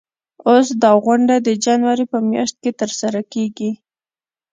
اوس دا غونډه د جنوري په میاشت کې ترسره کیږي.